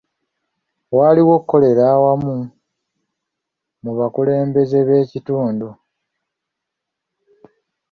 Waliwo okukolera awamu mu bakulembeze b'ekitundu.